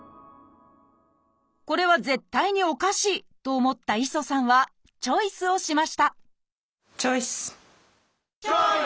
これは絶対におかしいと思った磯さんはチョイスをしましたチョイス！